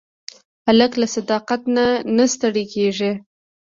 هلک له صداقت نه نه ستړی کېږي.